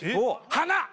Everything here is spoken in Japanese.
「花」